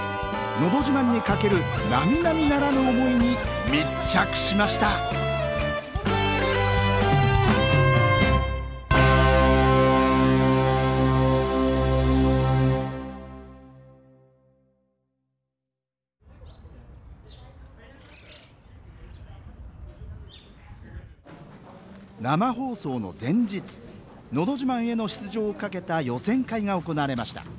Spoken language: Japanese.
「のど自慢」にかけるなみなみならぬ思いに密着しました生放送の前日「のど自慢」への出場をかけた予選会が行われました。